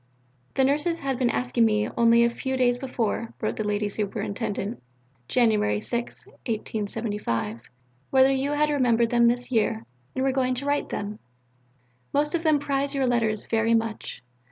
"The Nurses had been asking me only a few days before," wrote the Lady Superintendent (Jan. 6, 1875), "whether you had remembered them this year, and were going to write to them. Most of them prize your letters very much.